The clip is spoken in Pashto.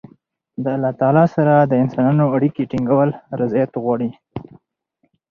د الله تعالی سره د انسانانو اړیکي ټینګول رياضت غواړي.